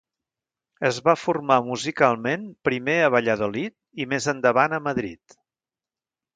Es va formar musicalment primer a Valladolid, i més endavant a Madrid.